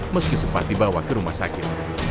meski sempat dibawa ke rumah sakit